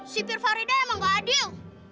sipir farida emang gak adil